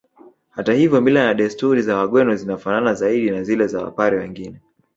Hata hivyo mila na desturi za Wagweno zinafanana zaidi na zile za Wapare wengine